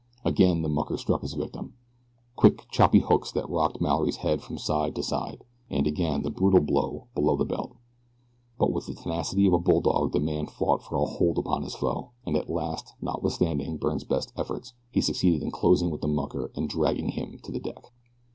Again the mucker struck his victim quick choppy hooks that rocked Mallory's head from side to side, and again the brutal blow below the belt; but with the tenacity of a bulldog the man fought for a hold upon his foe, and at last, notwithstanding Byrne's best efforts, he succeeded in closing with the mucker and dragging him to the deck.